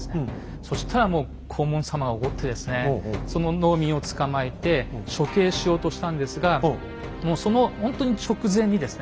そしたらもう黄門様が怒ってですねその農民を捕まえて処刑しようとしたんですがもうそのほんとに直前にですね